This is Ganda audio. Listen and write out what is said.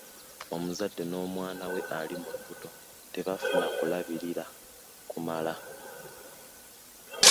Omuzadde n'omwana we ali mulubuto tebafuna kulabirira kumala.